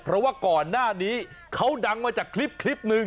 เพราะว่าก่อนหน้านี้เขาดังมาจากคลิปหนึ่ง